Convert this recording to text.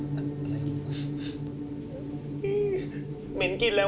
บอกแล้วไงให้กลับ